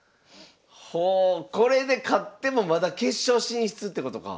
ほうこれで勝ってもまだ決勝進出ってことか。